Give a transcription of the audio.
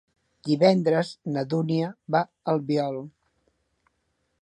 Divendres na Dúnia va a l'Albiol.